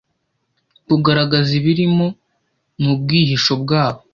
Kugaragaza Ibirimo Mu Bwihisho Bwawo.